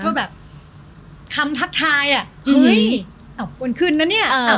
เพราะแบบคำทักทายอ่ะเฮ้ยอ๋อวนขึ้นแล้วเนี้ยอ๋ออ๋อล้มแล้วเนี้ย